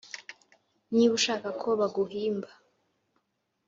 niba ushaka ko baguhimba